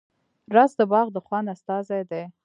رس د باغ د خوند استازی دی